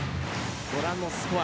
ご覧のスコア